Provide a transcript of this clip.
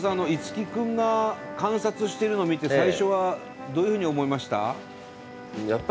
樹くんが観察してるの見て最初はどういうふうに思いました？